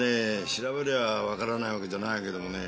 調べりゃあわからないわけじゃないけどもね。